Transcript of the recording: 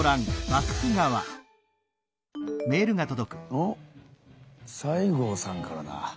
おっ西郷さんからだ。